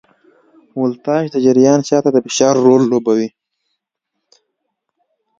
ولتاژ د جریان شاته د فشار رول لوبوي.